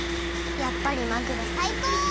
やっぱりまぐろさいこう！